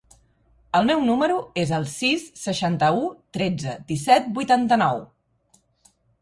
El meu número es el sis, seixanta-u, tretze, disset, vuitanta-nou.